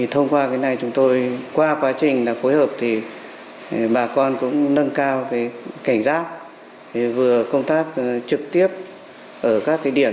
thông qua quá trình phối hợp bà con cũng nâng cao cảnh giác vừa công tác trực tiếp ở các điểm